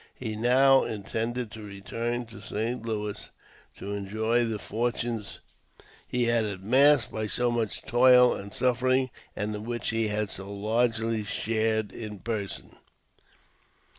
He now intended to return to St. Louis, to enjoy the fortune he had amassed by so much toil and suffering, and in which he had so largely shared in person.